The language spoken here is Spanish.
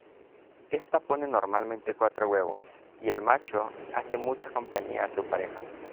Ésta pone normalmente cuatro huevos, y el macho hace mucha compañía a su pareja.